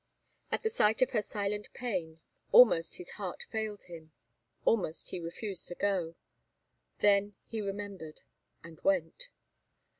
At the sight of her silent pain almost his heart failed him, almost he refused to go. Then he remembered, and went.